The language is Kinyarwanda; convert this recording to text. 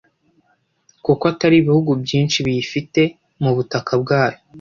kuko atari ibihugu byinshi biyifite mu butaka bwayo,